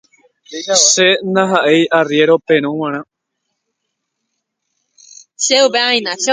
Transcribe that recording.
che ndaha'éi arriéro perõ g̃uarã